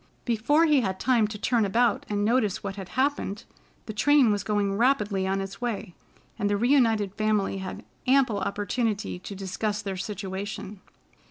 Before he had time to turn about and notice what had happened, the train was going rapidly on its way, and the reunited family had ample opportunity to discuss their situation.